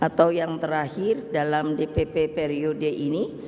atau yang terakhir dalam dpp periode ini